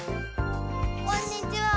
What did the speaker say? こんにちは！